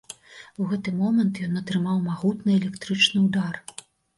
У гэты момант ён атрымаў магутны электрычны ўдар.